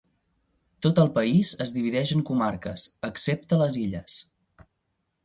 Tot el país es divideix en comarques, excepte les Illes.